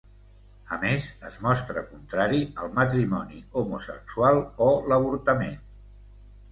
A més, es mostra contrari al matrimoni homosexual o l’avortament.